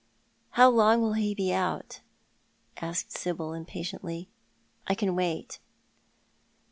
" How long will he be out ?" asked Sibyl, impatiently. " I can wait."